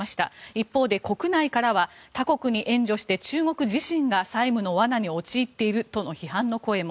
一方で国内からは他国に援助して中国自身が債務の罠に陥っているとの批判の声も。